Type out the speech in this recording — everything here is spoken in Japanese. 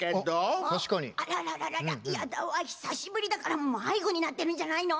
あらららら嫌だわ久しぶりだから迷子になってるんじゃないの？